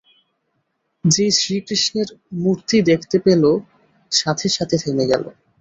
যেই শ্রীকৃষ্ণের মূর্তি দেখতে পেলো, সাথে সাথে থেমে গেলো।